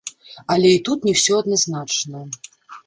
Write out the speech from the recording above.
Але і тут не ўсё адназначна.